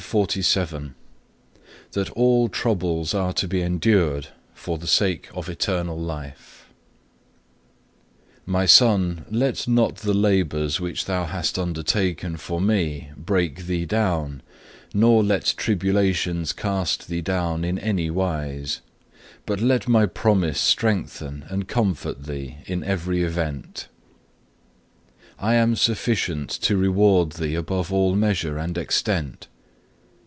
2. CHAPTER XLVII That all troubles are to be endured for the sake of eternal life "My Son, let not the labours which thou hast undertaken for Me break thee down, nor let tribulations cast thee down in any wise, but let my promise strengthen and comfort thee in every event. I am sufficient to reward thee above all measure and extent.